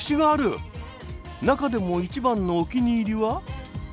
中でも一番のおきにいりは？